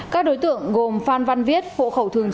các đối tượng gồm phan văn viết phộ khẩu thường trị